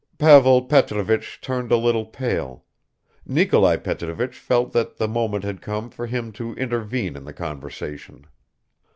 Pavel Petrovich turned a little pale ... Nikolai Petrovich felt that the moment had come for him to intervene in the conversation.